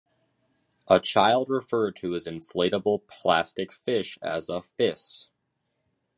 A child referred to his inflatable plastic fish as a "fis".